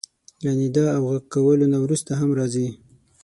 له ندا او غږ کولو نه وروسته هم راځي.